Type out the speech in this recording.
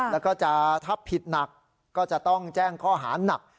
แล้วก็จะถ้าผิดหนักก็จะต้องแจ้งข้อหานัก